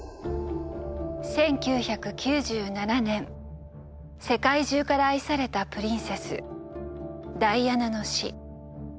１９９７年世界中から愛されたプリンセスダイアナの死。